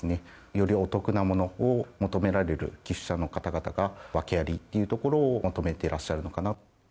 よりお得なものを求められる寄付者の方々が、訳ありというところを求めてらっしゃるのかな。